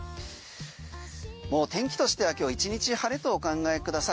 もう天気としては今日１日晴れとお考えください。